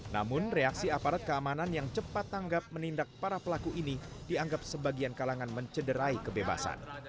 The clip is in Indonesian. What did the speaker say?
namun reaksi aparat keamanan yang cepat tanggap menindak para pelaku ini dianggap sebagian kalangan mencederai kebebasan